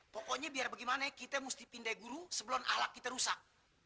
pokoknya biar bagaimana kita mesti pindah guru sebelum ahlak kita rusak